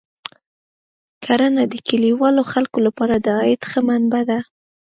کرنه د کلیوالو خلکو لپاره د عاید ښه منبع ده.